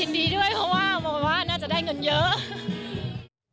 ดีด้วยเพราะว่าโมว่าน่าจะได้เงินเยอะ